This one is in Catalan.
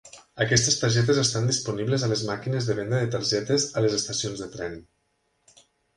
Aquestes targetes estan disponibles a les màquines de venda de targetes a les estacions de tren.